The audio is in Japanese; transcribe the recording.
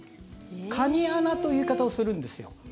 カニ穴という言い方をするんですよ。